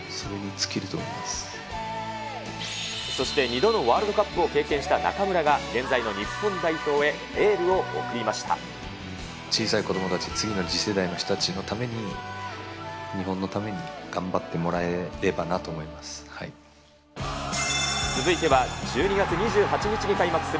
そして２度のワールドカップを経験した中村が、現在の日本代表へ、小さい子どもたち、次の次世代の子どもたちのために、日本のために、頑張ってもらえればなと思います。